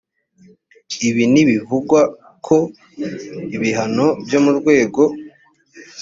ibi ntibivugako ibihano byo mu rwego